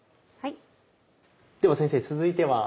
では先生続いては。